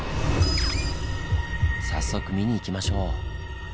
早速見に行きましょう。